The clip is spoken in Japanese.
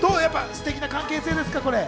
すてきな関係性ですか？